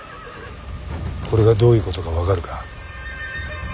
これがどういうことか分かるか。